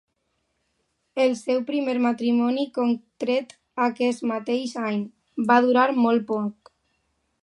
El seu primer matrimoni, contret aquest mateix any, va durar molt poc.